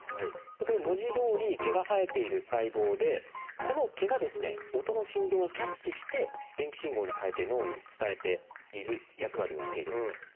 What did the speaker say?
これ文字どおり毛が生えている細胞でこの毛が音の振動をキャッチして電気信号に変えて脳に伝えている役割をしているんです。